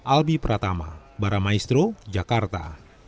alby pratama baramaestro jakarta